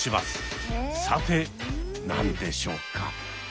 さて何でしょうか？